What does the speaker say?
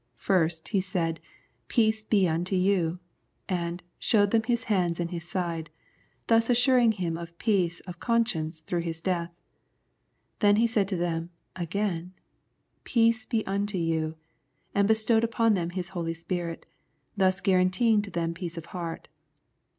First, He said, " Peace be unto you," and " showed them His hands and His side," thus assuring them of peace of conscience through His Death. Then He said unto them again^ " Peace be unto you," and bestowed upon them His Holy Spirit, thus guaranteeing to them peace of heart.